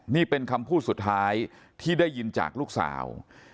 นี่เป็นคำพูดสุดท้ายที่ได้ยินจากลูกสาว